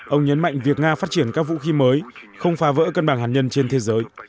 ông nhấn mạnh việc nga phát triển các vũ khí mới không phá vỡ cân bằng hạt nhân trên thế giới